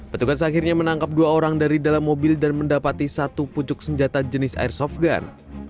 petugas akhirnya menangkap dua orang dari dalam mobil dan mendapati satu pucuk senjata jenis airsoft gun